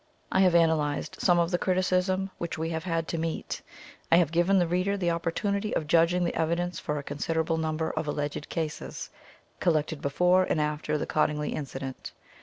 I have analysed some of the criti cism which we have had to meet. I have given the reader the opportunity of judging the evidence for a considerable nimiber of alleged cases, collected before and after the Cottingley incident.